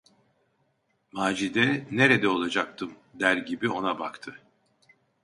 Macide, "Nerede olacaktım?" der gibi ona baktı.